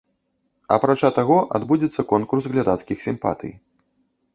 Апрача таго, адбудзецца конкурс глядацкіх сімпатый.